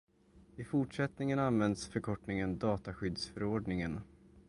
I fortsättningen används förkortningen dataskyddsförordningen.